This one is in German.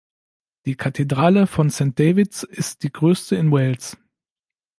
Die Kathedrale von St Davids ist die größte in Wales.